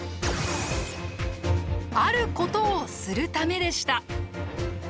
あることをするためでした。